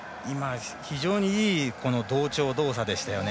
非常にいい同調動作でしたね。